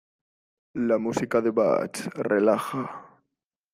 La música de Bach relaja.